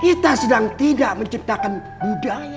kita sedang tidak menciptakan budaya